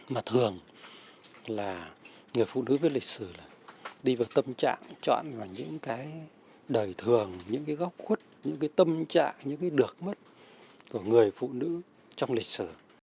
mà thường là người phụ nữ viết lịch sử là đi vào tâm trạng chọn vào những cái đời thường những cái góc khuất những cái tâm trạng những cái được mất của người phụ nữ trong lịch sử